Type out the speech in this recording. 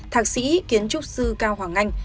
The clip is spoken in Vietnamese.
thạc sĩ kiến trúc sư cao hoàng anh